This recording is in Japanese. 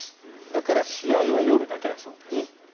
だから試合は夜だけだそうです。